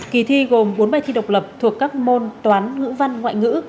kỳ thi gồm bốn bài thi độc lập thuộc các môn toán ngữ văn ngoại ngữ